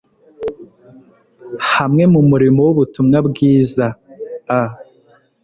hamwe mu murimo w'Ubutumwa bwiza. A